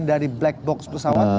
dari black box pesawat